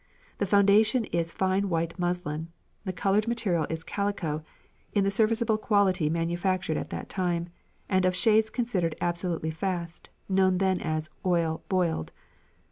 The foundation is fine white muslin; the coloured material is calico, in the serviceable quality manufactured at that time, and of shades considered absolutely fast, then known as "oil boiled."